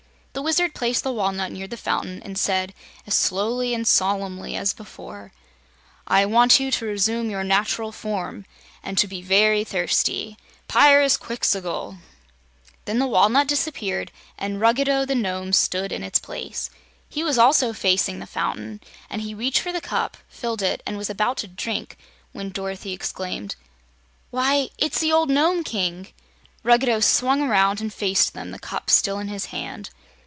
The Wizard placed the walnut near the fountain and said, as slowly and solemnly as before: "I want you to resume your natural form, and to be very thirsty Pyrzqxgl!" Then the walnut disappeared and Ruggedo the Nome stood in its place. He also was facing the fountain, and he reached for the cup, filled it, and was about to drink when Dorothy exclaimed: "Why, it's the old Nome King!" Ruggedo swung around and faced them, the cup still in his hand.